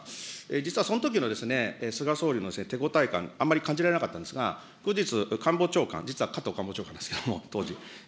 実はそのときの菅総理の手応え感、あんまり感じられなかったんですが、後日、官房長官、実は加藤官房長官ですけれども、当時。